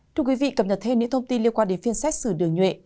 thưa quý vị cập nhật thêm những thông tin liên quan đến phiên xét xử đường nhuệ